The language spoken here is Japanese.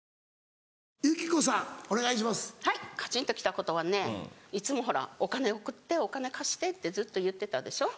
はいカチンと来たことはねいつもお金送ってお金貸してってずっと言ってたでしょ。